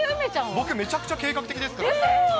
僕はめちゃくちゃ計画的ですから。